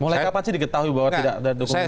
mulai kapan sih diketahui bahwa tidak ada dokumen